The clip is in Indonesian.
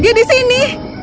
dia di sini